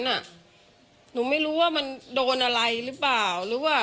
ตกลงไปจากรถไฟได้ยังไงสอบถามแล้วแต่ลูกชายก็ยังไง